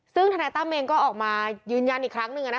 ซึ่งธนายตั้มเองก็ออกมายืนยันอีกครั้งหนึ่ง